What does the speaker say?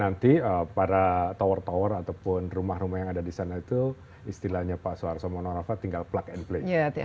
nanti para tower tower ataupun rumah rumah yang ada di sana itu istilahnya pak soeharto monorafa tinggal plug and play